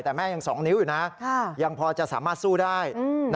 แต่แม่ยัง๒นิ้วอยู่นะยังพอจะสามารถสู้ได้